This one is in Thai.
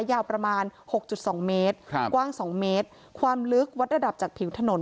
ยาวประมาณ๖๒เมตรกว้าง๒เมตรความลึกวัดระดับจากผิวถนน